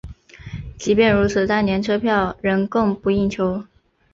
即使如此当时车票仍供不应求。